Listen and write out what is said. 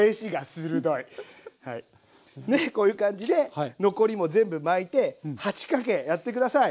こういう感じで残りも全部巻いて８かけやって下さい。